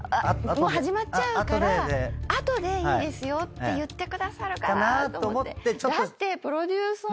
「もう始まっちゃうから後でいいですよ」って言ってくださるかなと思って。